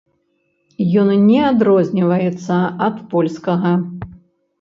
Ён не адрозніваецца ад польскага.